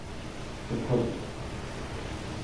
흩어지자.